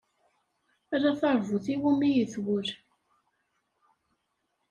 Ala taṛbut iwumi itwel.